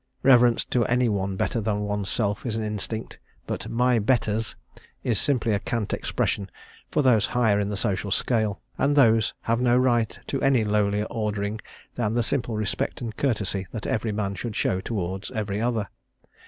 Reverence to any one better than one's self is an instinct, but "my betters" is simply a cant expression for those higher in the social scale, and those have no right to any lowlier ordering than the simple respect and courtesy that every man should show towards every other.